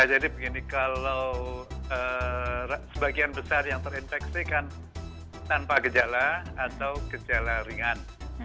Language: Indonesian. jadi begini kalau sebagian besar yang terinfeksi kan tanpa gejala atau gejala ringan